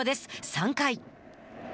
３回。